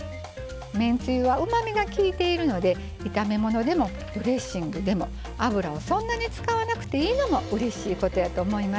めんつゆはうまみがきいているので炒め物でもドレッシングでも油をそんなに使わなくていいのもうれしいことやと思います。